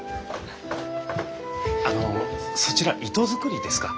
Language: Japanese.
あのそちら糸作りですか？